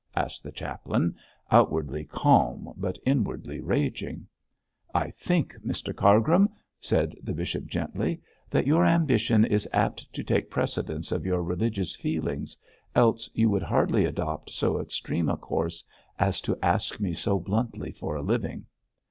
asked the chaplain, outwardly calm, but inwardly raging. 'I think, Mr Cargrim,' said the bishop, gently, 'that your ambition is apt to take precedence of your religious feelings, else you would hardly adopt so extreme a course as to ask me so bluntly for a living.